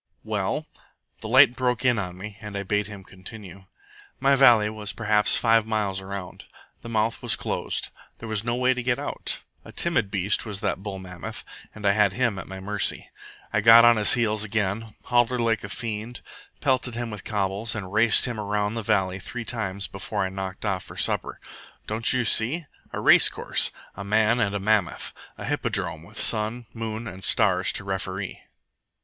"Well?" The light broke in on me, and I bade him continue. "My valley was perhaps five miles around. The mouth was closed. There was no way to get out. A timid beast was that bull mammoth, and I had him at my mercy. I got on his heels again hollered like a fiend, pelted him with cobbles, and raced him around the valley three times before I knocked off for supper. Don't you see? A race course! A man and a mammoth! A hippodrome, with sun, moon, and stars to referee!